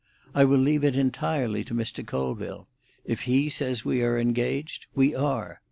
I will leave it entirely to Mr. Colville; if he says we are engaged, we are.